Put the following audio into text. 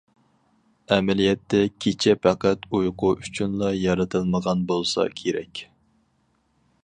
ئەمەلىيەتتە كېچە پەقەت ئۇيقۇ ئۈچۈنلا يارىتىلمىغان بولسا كېرەك.